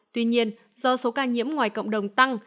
tuy nhiên do số ca nhiễm ngoài cộng đồng tăng